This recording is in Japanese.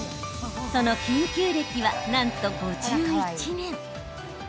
その研究歴は、なんと５１年。